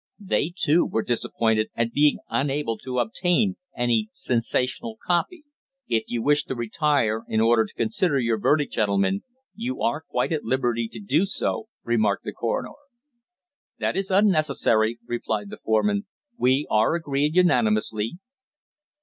They, too, were disappointed at being unable to obtain any sensational "copy." "If you wish to retire in order to consider your verdict, gentlemen, you are quite at liberty to do so," remarked the coroner. "That is unnecessary," replied the foreman. "We are agreed unanimously."